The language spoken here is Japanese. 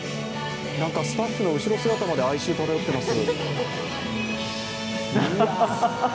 スタッフの後ろ姿まで哀愁漂ってます。